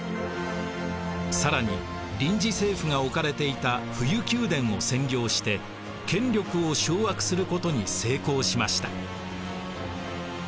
更に臨時政府が置かれていた冬宮殿を占領して権力を掌握することに成功しました。